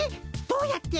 どうやって？